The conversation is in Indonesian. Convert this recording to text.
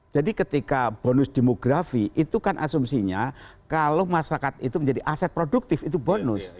jadi ketika bonus demografi itu kan asumsinya kalau masyarakat itu menjadi aset produktif itu bonus